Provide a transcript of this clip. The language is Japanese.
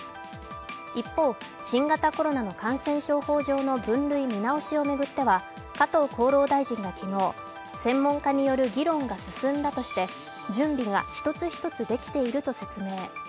一方、新型コロナの感染症法上の分類見直しを巡っては加藤厚労大臣が昨日専門家による議論が進んだとして準備が一つ一つできていると説明。